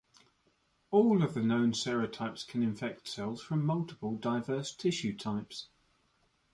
All of the known serotypes can infect cells from multiple diverse tissue types.